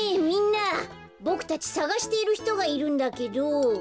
みんなボクたちさがしているひとがいるんだけど。